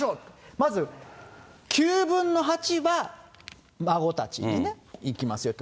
まず、９分の８は孫たちにね、いきますよと。